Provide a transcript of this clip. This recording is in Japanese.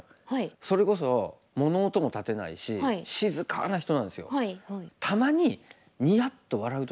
それこそ物音も立てないし静かな人なんですよ。